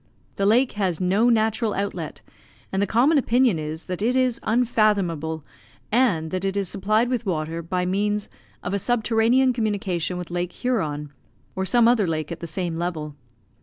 The lake has no natural outlet, and the common opinion is that it is unfathomable, and that it is supplied with water by means of a subterranean communication with Lake Huron, or some other lake at the same level.